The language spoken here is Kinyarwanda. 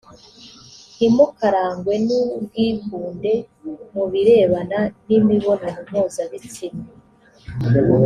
ntimukarangwe n ubwikunde mu birebana n imibonano mpuzabitsina